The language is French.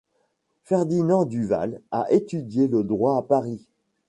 Ferdinand Duval a étudié le droit à Paris.